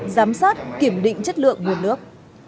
giám sát kiểm định chất lượng nguồn nước